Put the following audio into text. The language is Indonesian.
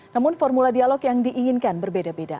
namun formula dialog yang diinginkan berbeda beda